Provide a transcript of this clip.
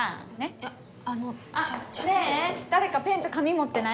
いやあのチャチャッと。ねえ誰かペンと紙持ってない？